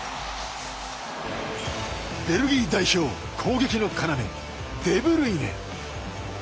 ベルギー代表、攻撃の要デブルイネ。